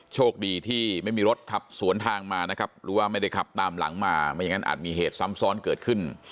โชคดีที่ไม่มีรถขับสวนทางมานะครับหรือว่าไม่ได้ขับตามหลังมาไม่อย่างนั้นอาจมีเหตุซ้ำซ้อนเกิดขึ้น